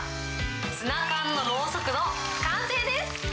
ツナ缶のろうそくの完成です。